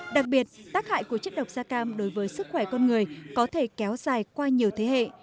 đặc biệt tác hại của chất độc da cam đối với sức khỏe con người có thể kéo dài qua nhiều thế hệ